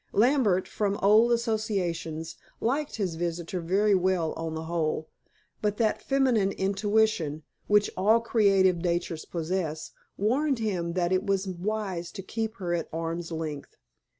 Lambert, from old associations, liked his visitor very well on the whole, but that feminine intuition, which all creative natures possess, warned him that it was wise to keep her at arm's length.